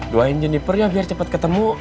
doain jeniper ya biar cepat ketemu